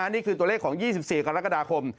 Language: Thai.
นี่คือตัวเลขของ๒๔กรกฎาคม